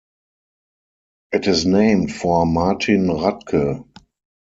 It is named for Martin Rathke.